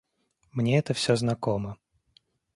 Мне это всё знакомо.